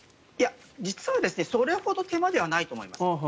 実は、それほど手間ではないと思います。